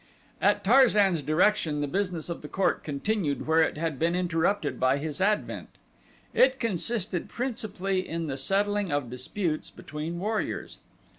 At Tarzan's direction the business of the court continued where it had been interrupted by his advent. It consisted principally in the settling of disputes between warriors.